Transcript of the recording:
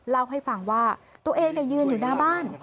เล่าให้ฟังว่าตัวเองยืนอยู่หน้าบ้าน